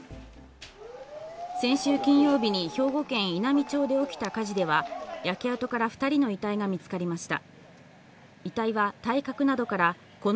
先週金曜日に兵庫県稲美町で起きた火事では焼け跡から２人の遺体が見つかりました。